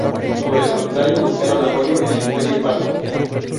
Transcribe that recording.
Por el contrario, buscaron apoyo en el Imperio parto.